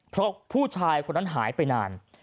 เพราะผู้ชายคนนั้นหายไปนาน